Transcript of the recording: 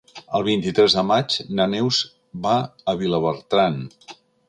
El vint-i-tres de maig na Neus va a Vilabertran.